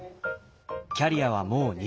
キャリアはもう２０年以上。